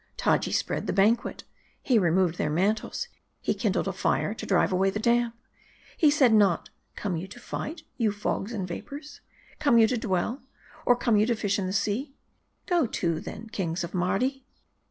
Taji spread the banquet. He removed their mantles. He kindled a fire to drive away the damp. He said not, 'Come you to fight, you fogs and vapors? come you to dwell ? or come you to fish in the sea ?' Go to, then, kings of Mardi